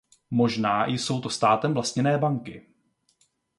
Možná jsou to státem vlastněné banky.